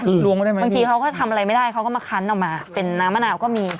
คือล้วงไม่ได้ไหมบางทีเขาก็ทำอะไรไม่ได้เขาก็มาคั้นออกมาเป็นน้ำมะนาวก็มี